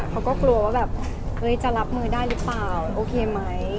เขาก็กลัวว่าแบบเฮ้ยจะรับมือได้หรือเปล่าโอเคไหม